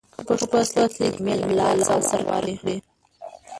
که پښتو اصلي کلمې له لاسه ورکړي